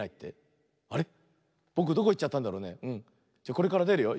これからでるよ。